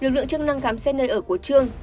lực lượng chức năng khám xét nơi ở của trương